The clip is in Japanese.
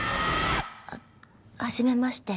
あっはじめまして。